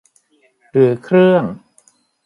หรือเครื่อง